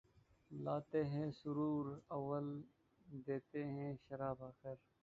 لاتے ہیں سرور اول دیتے ہیں شراب آخر